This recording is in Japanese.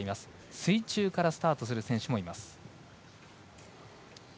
水中からスタートする選手もいます。